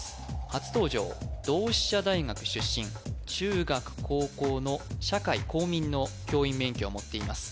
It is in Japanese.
初登場同志社大学出身中学高校の社会公民の教員免許を持っています